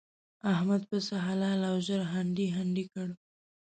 احمد پسه حلال او ژر هنډي هنډي کړ.